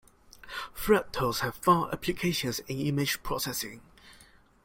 Fractals have found applications in image processing.